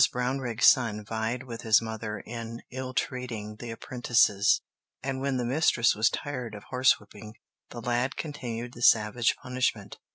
Brownrigg's son vied with his mother in ill treating the apprentices, and when the mistress was tired of horse whipping, the lad continued the savage punishment.